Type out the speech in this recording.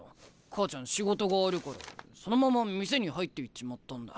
母ちゃん仕事があるからそのまま店に入っていっちまったんだ。